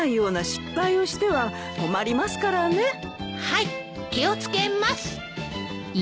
はい気を付けます。